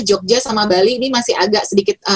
jogja sama bali ini masih agak sedikit